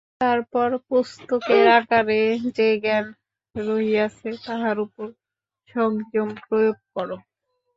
তারপর পুস্তকের আকারে যে জ্ঞান রহিয়াছে, তাহার উপর সংযম প্রয়োগ কর।